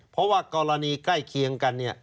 เพราะว่ากรณีใกล้เคียงกันเนี่ย